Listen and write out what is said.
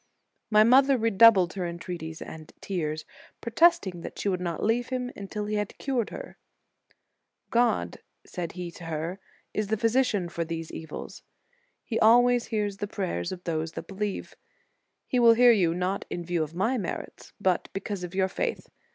My mother redoubled her entreaties and tears, protesting that she would not leave him until he had cured her. * Apud sur., Aug. 10. 14* 1 62 The Sign of the Cross " God, said he to her, is the Physician for those evils.* He always hears the prayers of those that believe. He will hear you, not in view of my merits, but because of your faith.